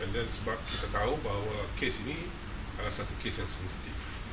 dan sebab kita tahu bahwa kes ini adalah satu kes yang sensitif